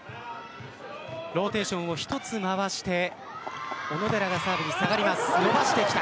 ローテーションを１つ回して小野寺がサーブに下がります。